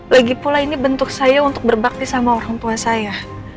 lagi pula ini bentuk saya untuk berbakti sama orang tua saya